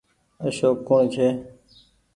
اشوڪ ڪوڻ ڇي۔